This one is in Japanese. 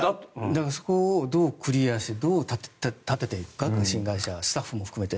そこをどうクリアしてどう立てていくか新会社、スタッフも含めて。